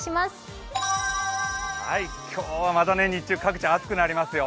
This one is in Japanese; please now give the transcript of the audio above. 今日はまた日中各地暑くなりますよ。